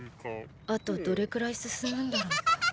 あとどれくらい進むんだろうか。